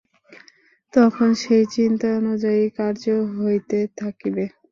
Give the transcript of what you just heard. তখন সেই চিন্তানুযায়ী কার্য হইতে থাকিবে।